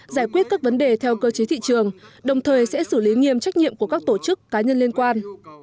giải quyết các vấn đề theo cơ chế thị trường đồng thời sẽ xử lý nghiêm trách nhiệm của các tổ chức cá nhân liên quan